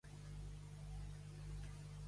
Què va decidir, aleshores, Agar?